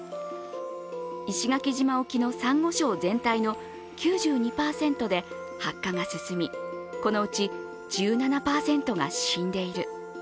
石垣島沖のさんご礁全体の９２％で白化が進み、このうち１７％が死んでいる。